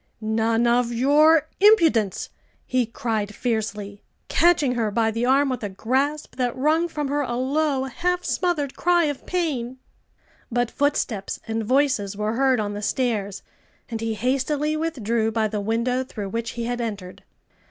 "None of your impudence!" he cried fiercely, catching her by the arm with a grasp that wrung from her a low, half smothered cry of pain. But footsteps and voices were heard on the stairs, and he hastily withdrew by the window through which he had entered.